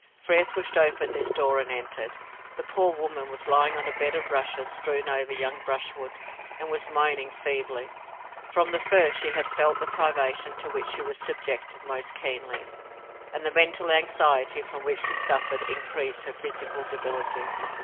Frere pushed open this door and entered. The poor woman was lying on a bed of rushes strewn over young brushwood, and was moaning feebly. From the first she had felt the privation to which she was subjected most keenly, and the mental anxiety from which she suffered increased her physical debility.